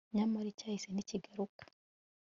nyamara icyahise ntikigaruka